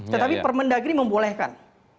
tetapi permendagri membolehkan